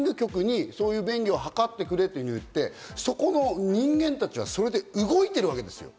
マーケティング局に便宜を図ってくれと言って、そこの人間たちはそれで動いてるわけです。